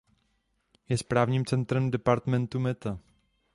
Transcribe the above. Je správním centrem departementu Meta.